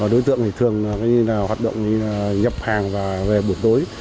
đối tượng thường hoạt động nhập hàng và về buổi tối